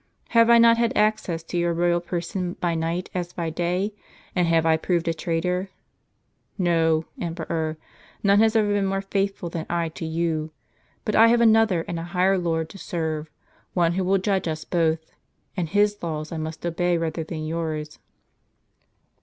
Have I not had access to your royal person by night as by day ; and have I proved a traitor ? No, emperor, none has ever been more faithful than I to you. But I have another, and a higher Lord to serve ; one who will judge us both ; and His laws I must obey rather than yours."